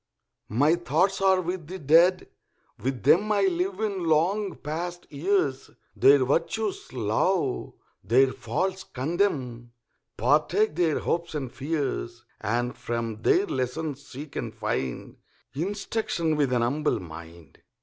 My thoughts are with the Dead, with them I live in long past years, Their virtues love, their faults condemn, Partake their hopes and fears, And from their lessons seek and find Instruction with ^n humble mind.